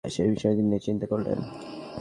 তখন আবু দারদা ঘটে যাওয়া বিষয়টি নিয়ে চিন্তা করলেন।